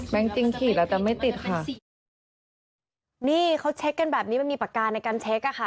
จริงฉีดแล้วแต่ไม่ติดค่ะนี่เขาเช็คกันแบบนี้มันมีปากกาในการเช็คอ่ะค่ะ